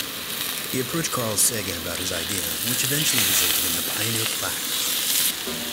He approached Carl Sagan about his idea, which eventually resulted in the Pioneer plaque.